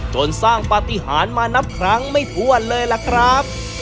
จนสร้างปฏิหารมานับครั้งไม่ถ้วนเลยล่ะครับ